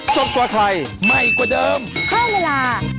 สวัสดีค่ะ